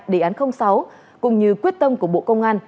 đề án sáu cùng như quyết tâm của bộ công an